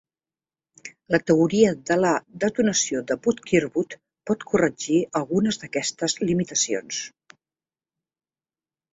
La teoria de la detonació de Wood-Kirkwood pot corregir algunes d'aquestes limitacions.